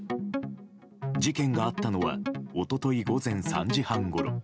事件があったのは一昨日午前３時半ごろ。